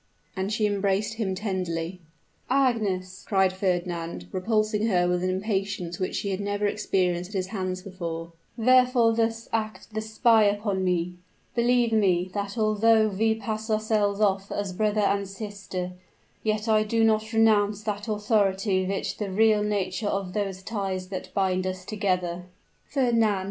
And she embraced him tenderly. "Agnes!" cried Fernand, repulsing her with an impatience which she had never experienced at his hands before: "wherefore thus act the spy upon me? Believe me, that although we pass ourselves off as brother and sister, yet I do not renounce that authority which the real nature of those ties that bind us together " "Fernand!